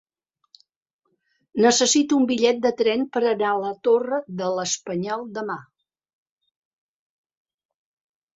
Necessito un bitllet de tren per anar a la Torre de l'Espanyol demà.